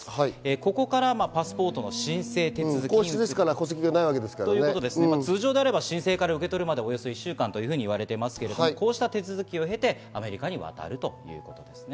ここからパスポートの申請手続きをし、通常であれば申請から受け取りまで１週間と言われていますが、こうした手続きを経てアメリカへ渡るというわけです。